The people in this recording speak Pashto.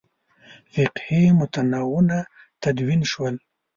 فقهي متنونه تدوین شول.